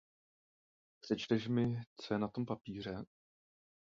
Přečteš mi, co je na tom papíře?